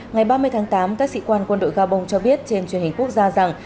ngày ba mươi tháng tám các sĩ quan quân đội gabon cho biết trên truyền hình quốc gia rằng